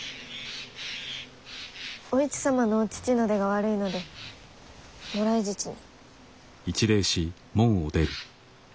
お市様のお乳の出が悪いのでもらい乳に。